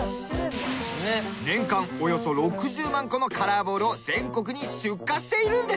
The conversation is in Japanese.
年間およそ６０万個のカラーボールを全国に出荷しているんです。